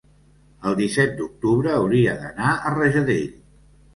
el disset d'octubre hauria d'anar a Rajadell.